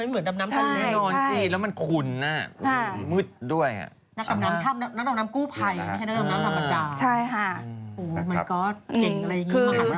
หมอดมยาโดยอาชีพแต่ดำน้ำเนี่ยคือ